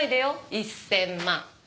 １０００万。